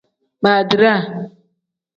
Baadiraa.